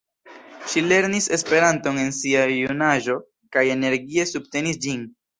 Ŝi lernis Esperanton en sia junaĝo kaj energie subtenis ĝin.